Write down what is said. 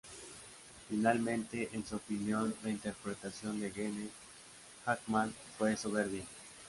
Finalmente, en su opinión, la interpretación de Gene Hackman fue soberbia.